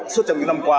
suốt trong những năm qua